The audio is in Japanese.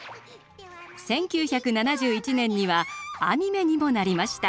１９７１年にはアニメにもなりました。